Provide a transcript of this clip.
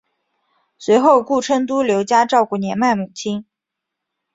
随后顾琛都留家照顾年迈母亲。